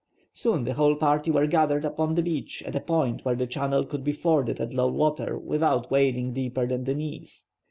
Soon the whole party were gathered upon the beach at a point where the channel could be forded at low water without wading deeper than the knees.